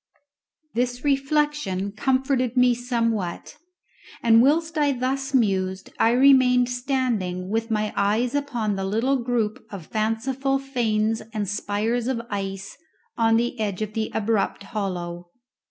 This reflection comforted me somewhat, and whilst I thus mused I remained standing with my eyes upon the little group of fanciful fanes and spires of ice on the edge of the abrupt hollow.